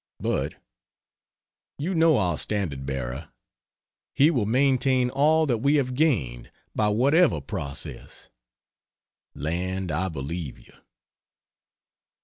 But "You know our standard bearer. He will maintain all that we have gained" by whatever process. Land, I believe you!